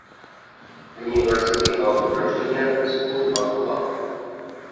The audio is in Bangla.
University of Virginia school of law.